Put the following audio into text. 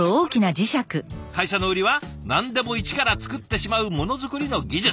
会社の売りは何でも一から作ってしまうモノづくりの技術。